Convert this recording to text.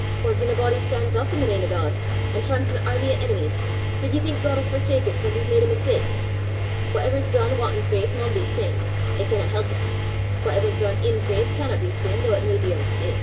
Or gien a body stan's up i' the name o' God, an' fronts an airmy o' enemies, div ye think God 'ill forsake him 'cause he's made a mistak? Whatever's dune wantin' faith maun be sin it canna help it; whatever's dune in faith canna be sin, though it may be a mistak.